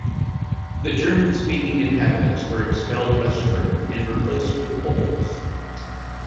The German-speaking inhabitants were expelled westward and replaced with Poles.